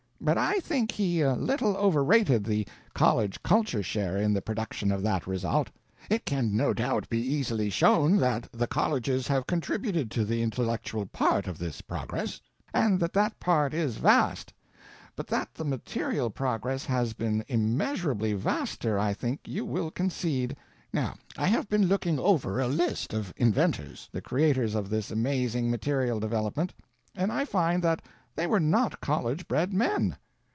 But I think he a little overrated the college culture share in the production of that result. It can no doubt be easily shown that the colleges have contributed the intellectual part of this progress, and that that part is vast; but that the material progress has been immeasurably vaster, I think you will concede. Now I have been looking over a list of inventors—the creators of this amazing material development—and I find that they were not college bred men.